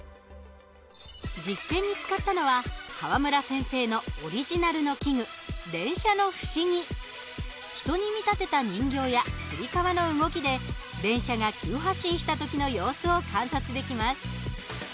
実験に使ったのは川村先生のオリジナルの器具人に見立てた人形やつり革の動きで電車が急発進した時の様子を観察できます。